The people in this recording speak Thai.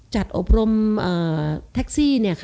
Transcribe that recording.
อบรมแท็กซี่